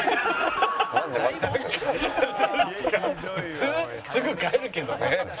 普通すぐ帰るけどね。